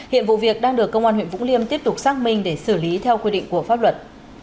hiện vụ việc đang được công an huyện vũng liêm tiếp tục xác minh để xử lý theo quy định của pháp luật